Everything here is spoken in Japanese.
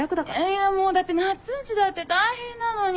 いやだってなっつんちだって大変なのに。